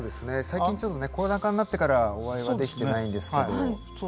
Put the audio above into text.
最近ちょっとねコロナ禍になってからお会いはできてないんですけど。